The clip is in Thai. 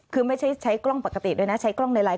คือไม่ใช่ใช้กล้องปกติด้วยนะใช้กล้องในไลท